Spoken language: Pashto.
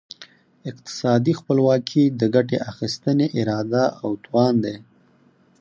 اقتصادي خپلواکي د ګټې اخیستني اراده او توان دی.